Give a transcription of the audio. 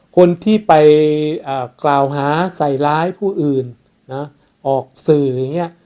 คนที่ไปกล่าวหาใส่ร้ายผู้อื่นนะออกสื่ออย่างนี้